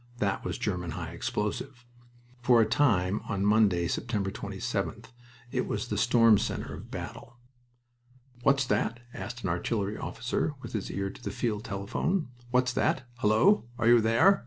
That was German high explosive. For a time on Monday, September 27th, it was the storm center of battle. "What's that?" asked an artillery staff officer, with his ear to the field telephone. "What's that?... Hullo!... Are you there?...